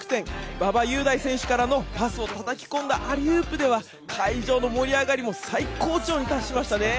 馬場雄大選手からのパスをたたき込んだアリウープでは、会場の盛り上がりも最高潮に達しましたね。